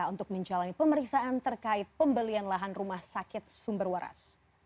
untuk menjalani pemeriksaan terkait pembelian lahan rumah sakit sumber waras